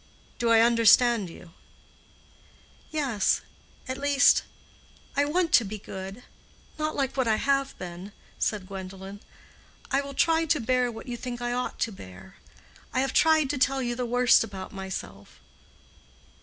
Do I understand you?" "Yes—at least, I want to be good—not like what I have been," said Gwendolen. "I will try to bear what you think I ought to bear. I have tried to tell you the worst about myself.